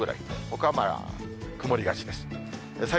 ほかは曇りがちです。